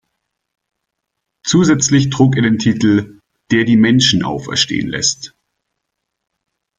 Zusätzlich trug er den Titel „"der die Menschen auferstehen lässt"“.